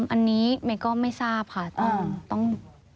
อันนี้เมย์ก็ไม่ทราบค่ะต้อง